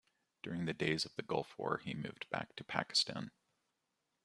During the days of Gulf War, he moved back to Pakistan.